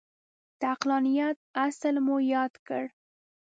د عقلانیت اصل مو یاد کړ.